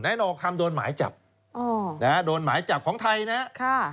ไอ้หนอคำโดนหมายจับอ๋อนะฮะโดนหมายจับของไทยนะฮะค่ะ